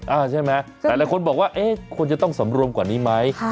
ใช่ไหมหลายคนบอกว่าเอ๊ะควรจะต้องสำรวมกว่านี้ไหม